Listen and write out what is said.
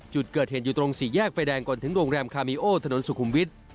จุดเกิดเหตุอยู่ตรงสี่แยกไฟแดงก่อนถึงโรงแรมคามีโอถนนสุขุมวิทย์